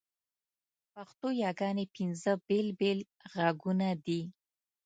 پښتو یاګاني پینځه بېل بېل ږغونه دي.